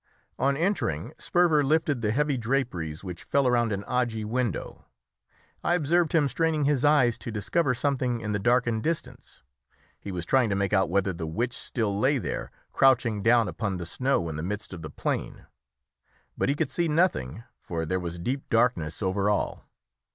On entering Sperver lifted the heavy draperies which fell around an ogee window. I observed him straining his eyes to discover something in the darkened distance; he was trying to make out whether the witch still lay there crouching down upon the snow in the midst of the plain; but he could see nothing, for there was deep darkness over all.